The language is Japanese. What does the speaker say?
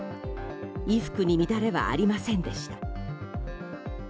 衣服に乱れはありませんでした。